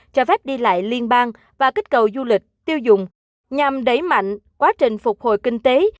cho phép đi lại liên bang và kích cầu du lịch tiêu dùng nhằm đẩy mạnh quá trình phục hồi kinh tế